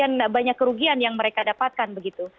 tapi itu lumayan banyak kerugian yang mereka dapatkan begitu